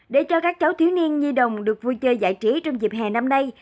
để cho các cháu thiếu niên nhi đồng được vui chơi giải trí trong dịp hè năm nay